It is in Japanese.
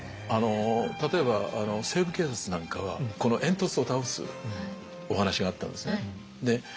例えば「西部警察」なんかは煙突を倒すお話があったんですね。